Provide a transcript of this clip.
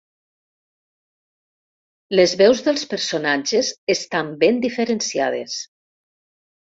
Les veus dels personatges estan ben diferenciades.